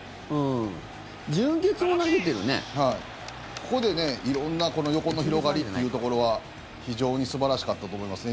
ここでね、色んな横の広がりっていうところは非常に素晴らしかったと思いますね。